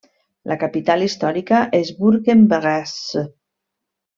La capital històrica és Bourg-en-Bresse.